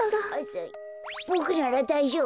ボクならだいじょうぶ！